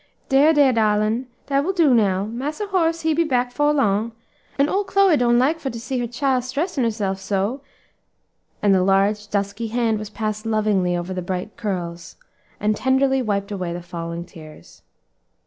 "Dere, dere, darlin'! dat will do now. Massa Horace he be back 'fore long, and ole Chloe don' like for to see her chile 'stressin' herself so," and the large, dusky hand was passed lovingly over the bright curls, and tenderly wiped away the falling tears.